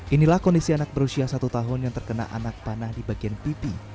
inilah kondisi anak berusia satu tahun yang terkena anak panah di bagian pipi